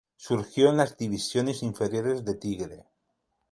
Surgió en las divisiones inferiores de Tigre.